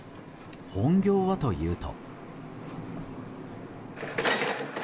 本業はというと。